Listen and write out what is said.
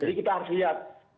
jadi kita harus lihat